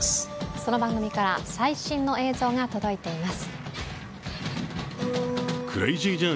その番組から最新の映像が届いています。